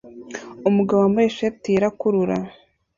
Umugabo wambaye ishati yera akurura